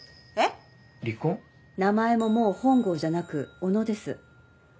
名前ももう本郷じゃなく小野です。